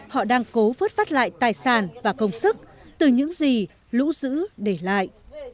họ đang cố phớt phát lại tài sản và công sức từ những gì lũ giữ để lại